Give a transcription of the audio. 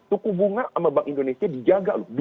suku bunga sama bank indonesia dijaga loh